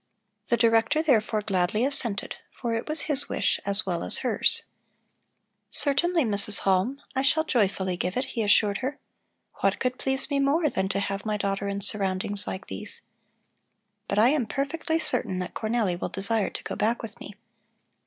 The Director therefore gladly assented, for it was his wish as well as hers. "Certainly, Mrs. Halm, I shall joyfully give it," he assured her. "What could please me more than to have my daughter in surroundings like these? But I am perfectly certain that Cornelli will desire to go back with me.